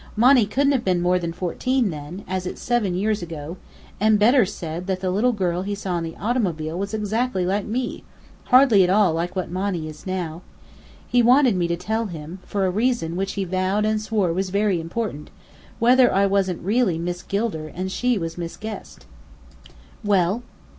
Monny couldn't have been more than fourteen then, as it's seven years ago; and Bedr said that the little girl he saw in the automobile was exactly like me hardly at all like what Monny is now. He wanted me to tell him, for a reason which he vowed and swore was very important, whether I wasn't really Miss Gilder, and she Miss Guest." "Well?"